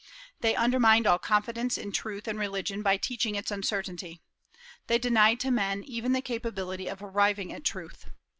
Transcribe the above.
They undermined all confidence in truth and religion by teaching its uncertainty. They denied to men even the capability of arriving at truth.